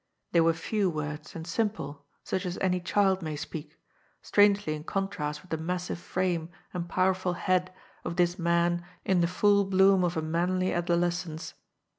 They were few words and simple, such as any child may speak, strangely in contrast with the massive frame and powerful head of this man in the full bloom of a manly adolescence.